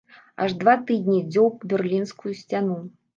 Аж два тыдні дзёўб берлінскую сцяну.